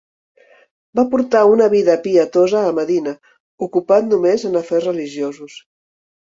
Va portar una vida pietosa a Medina ocupat només en afers religiosos.